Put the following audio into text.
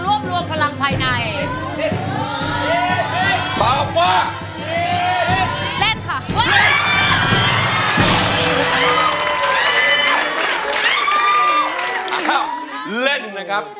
ร้องได้ให้ร้าง